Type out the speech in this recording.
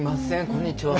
こんにちは。